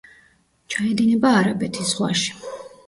ჩაედინება არაბეთის ზღვაში.